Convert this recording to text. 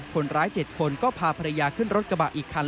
๗คนก็พาภรรยาขึ้นรถกระบะอีกคัน